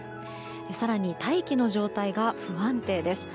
更に大気の状態が不安定です。